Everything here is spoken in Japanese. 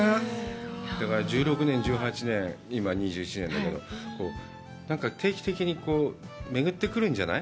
だから、１６年、１８年、今２１年だけど、何か定期的にめぐってくるんじゃない？